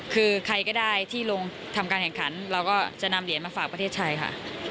คือใครก็ได้ที่ลงทำการแข่งขันเราก็จะนำเหรียญมาฝากประเทศไทยค่ะ